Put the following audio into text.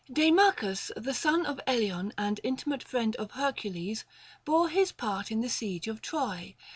Deimachus, the son of Eleon and intimate friend of Hercules, bore his part in the siege of Troy.